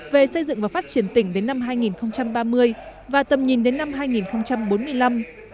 về xây dựng và phát triển tỉnh đến năm hai nghìn ba mươi và tầm nhìn đến năm hai nghìn bốn mươi năm